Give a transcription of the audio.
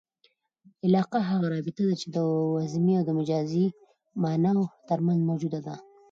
علاقه هغه رابطه ده، چي د وضمي او مجازي ماناوو ترمنځ موجوده يي.